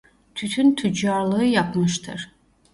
Tütün Tüccarlığı yapmıştır.